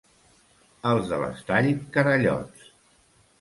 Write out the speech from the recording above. Els de l'Estall, carallots.